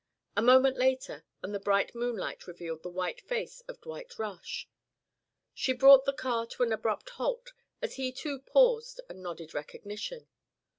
A moment later and the bright moonlight revealed the white face of Dwight Rush. She brought the car to an abrupt halt as he too paused and nodded recognition.